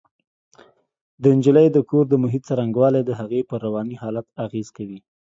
د نجلۍ د کور د محیط څرنګوالی د هغې پر رواني حالت اغېز کوي